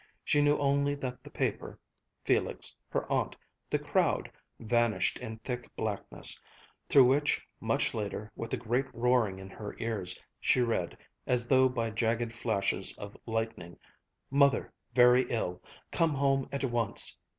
She knew only that the paper, Felix, her aunt, the crowd, vanished in thick blackness, through which, much later, with a great roaring in her ears, she read, as though by jagged flashes of lightning: "Mother very ill. Come home at once.